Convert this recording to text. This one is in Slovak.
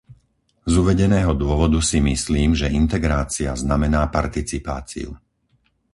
Z uvedeného dôvodu si myslím, že integrácia znamená participáciu.